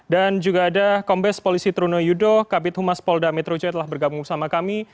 dan juga ada kombes polisi truno yudo kabit humas polda metro jaya telah bergabung sama kami